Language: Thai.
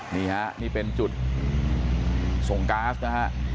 นี่ฮะนี่เป็นจุดส่งก๊าซนะฮะ